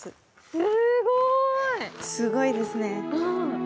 すごいですね。